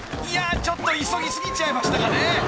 ［いやちょっと急ぎ過ぎちゃいましたかね］